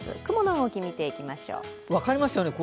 雲の動き、見ていきましょう。